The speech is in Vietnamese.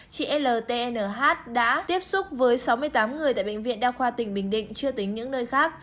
chị lt đã tiếp xúc với sáu mươi tám người tại bệnh viện đa khoa tỉnh bình định chưa tính những nơi khác